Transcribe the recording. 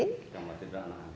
ada kamar tidur anak anak